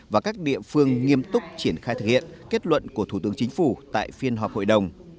và các địa phương nghiêm túc triển khai thực hiện kết luận của thủ tướng chính phủ tại phiên họp hội đồng